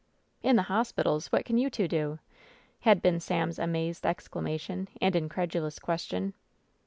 "In the hospitals ! What can you two do ?" had been Sam's amazed exclamation and incredulous question.